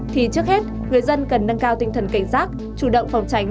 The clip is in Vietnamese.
thì trước hết người dân cần nâng cao tinh thần cảnh giác chủ động phòng tránh